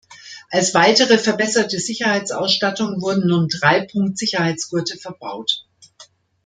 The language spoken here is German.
Als weitere verbesserte Sicherheitsausstattung wurden nun Dreipunkt-Sicherheitsgurte verbaut.